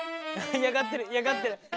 嫌がってる嫌がってる。